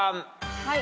はい。